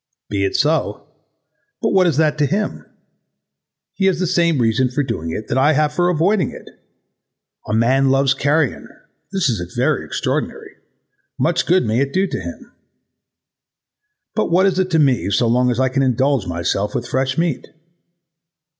Be it so, but what is that to him? He has the same reason for doing it that I have for avoiding it. A man loves carrion this is very extraordinary much good may it do him. But what is this to me so long as I can indulge myself with fresh meat?